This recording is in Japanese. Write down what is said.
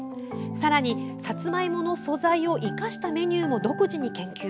さらに、さつまいもの素材を生かしたメニューも独自に研究。